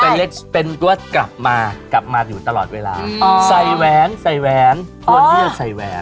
เป็นเล็กเป็นรถกลับมากลับมาอยู่ตลอดเวลาใส่แหวนใส่แหวนควรที่จะใส่แหวน